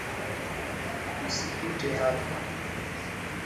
Usipite hapa.